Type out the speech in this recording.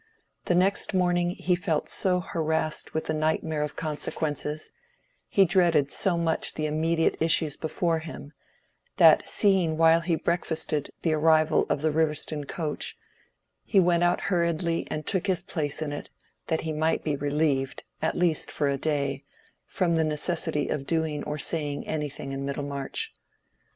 The next morning he felt so harassed with the nightmare of consequences—he dreaded so much the immediate issues before him—that seeing while he breakfasted the arrival of the Riverston coach, he went out hurriedly and took his place on it, that he might be relieved, at least for a day, from the necessity of doing or saying anything in Middlemarch.